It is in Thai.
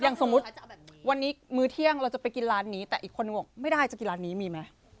สมมุติวันนี้มื้อเที่ยงเราจะไปกินร้านนี้แต่อีกคนนึงบอกไม่ได้จะกินร้านนี้มีไหม